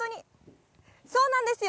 そうなんですよ。